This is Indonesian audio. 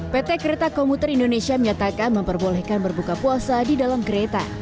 pt kereta komuter indonesia menyatakan memperbolehkan berbuka puasa di dalam kereta